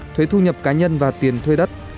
thuế thu nhập cá nhân và tiền thuê đất